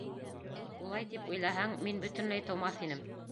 Улай тип уйлаһаң, мин бөтөнләй тыумаҫ инем.